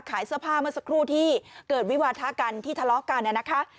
ขายเสื้อผ้าเมื่อสักครู่ที่เกิดวิวาทะกันที่ทะเลาะกันนะคะ